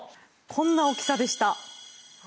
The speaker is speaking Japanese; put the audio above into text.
こんな大きさでした。